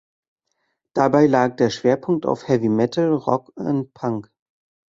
Dabei lag der Schwerpunkt auf Heavy Metal, Rock und Punk.